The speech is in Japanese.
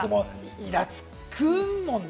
イラつくもんね。